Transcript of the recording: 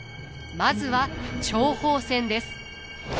まずは諜報戦です。